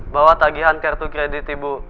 bawa tagihan kartu kredit ibu